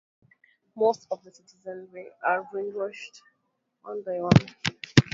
Most of the citizenry are brainwashed one by one.